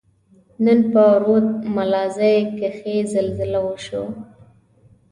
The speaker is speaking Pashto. نن په رود ملازۍ کښي زلزله وشوه.